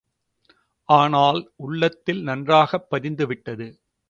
ஆனால், உள்ளத்தில் நன்றாகப் பதிந்துவிட்டது.